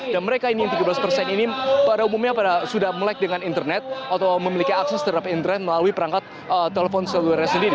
dan mereka ini tiga belas persen ini pada umumnya sudah melek dengan internet atau memiliki akses terhadap internet melalui perangkat telepon seluruhnya sendiri